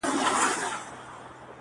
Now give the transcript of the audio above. واک د زړه مي عاطفو ته ور کی یاره-